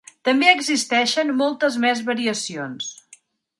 També existeixen moltes més variacions.